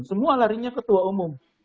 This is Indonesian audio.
semua larinya ketua umum